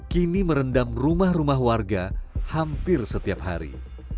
kini merendam rumah rumah warga hampir setiap hari